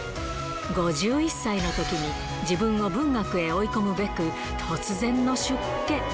５１歳のときに、自分を文学へ追い込むべく、突然の出家。